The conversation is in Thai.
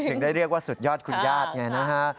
ถึงได้เรียกว่าสุดยอดคุณญาติไงนะฮะ